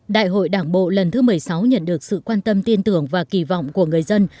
đại hội đảng bộ lần thứ một mươi sáu nhận được sự quan tâm tin tưởng và kỳ vọng của người dân